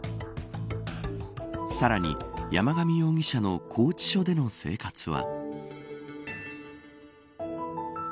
さらに、山上容疑者の拘置所での生活は。